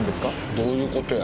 どういうことや。